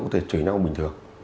có thể chửi nhau bình thường